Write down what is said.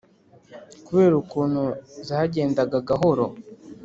Kubera ukuntu zagendaga gahoro